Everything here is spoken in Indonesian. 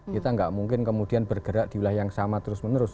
kita nggak mungkin kemudian bergerak di wilayah yang sama terus menerus